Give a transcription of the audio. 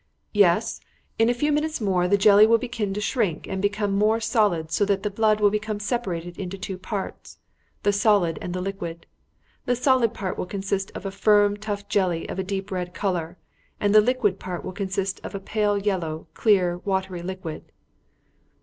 "Yes. In a few minutes more the jelly will begin to shrink and become more solid so that the blood will become separated into two parts, the solid and the liquid. The solid part will consist of a firm, tough jelly of a deep red colour, and the liquid part will consist of a pale yellow, clear, watery liquid."